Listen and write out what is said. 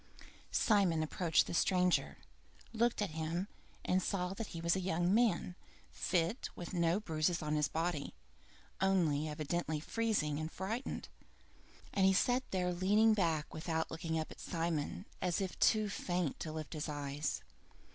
II Simon approached the stranger, looked at him, and saw that he was a young man, fit, with no bruises on his body, only evidently freezing and frightened, and he sat there leaning back without looking up at Simon, as if too faint to lift his eyes.